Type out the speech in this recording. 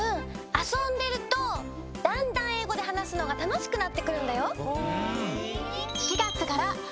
あそんでるとだんだんえいごではなすのがたのしくなってくるんだよ。